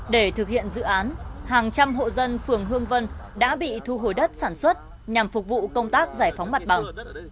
để thực hiện dự án hàng trăm hộ dân phường hương vân đã bị thu hồi đất sản xuất nhằm phục vụ công tác giải phóng mặt bằng